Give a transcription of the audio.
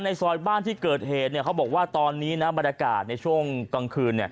ซอยบ้านที่เกิดเหตุเขาบอกว่าตอนนี้นะบรรยากาศในช่วงกลางคืน